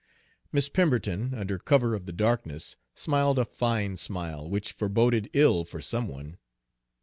Miss Pemberton, under cover of the darkness, smiled a fine smile, which foreboded ill for some one.